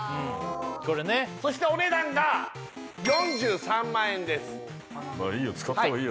これねそしてお値段が４３万円です